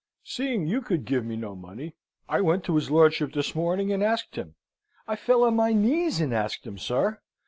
Seeing you could give me no money, I went to his lordship this morning and asked him. I fell on my knees, and asked him, sir.